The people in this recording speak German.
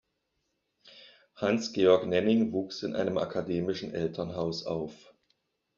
Hans Georg Nenning wuchs in einem akademischen Elternhaus auf.